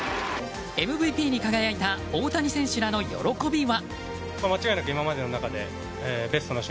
ＭＶＰに輝いた大谷選手らの喜びは。